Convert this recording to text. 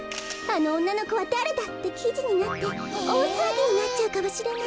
あのおんなのこはだれだ！？」ってきじになっておおさわぎになっちゃうかもしれない。